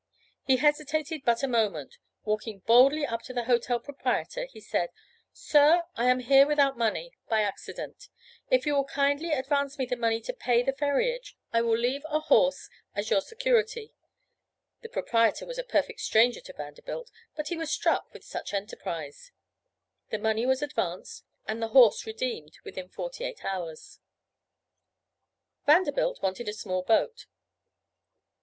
He hesitated but a moment; walking boldly up to the hotel proprietor he said: "Sir, I am here without money, by accident; if you will kindly advance me the money to pay the ferriage, I will leave a horse as your security." The proprietor was a perfect stranger to Vanderbilt, but he was struck with such enterprise. The money was advanced, and the horse redeemed within forty eight hours. [Illustration: ENTERPRISE. Engraved Expressly for "Hidden Treasures"] Vanderbilt wanted a small boat.